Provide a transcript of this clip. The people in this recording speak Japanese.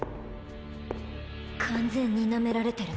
完全になめられてるね。